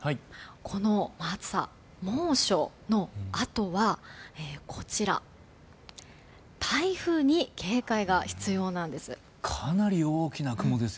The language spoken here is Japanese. この暑さ、猛暑のあとはこちら台風に警戒が必要なんです。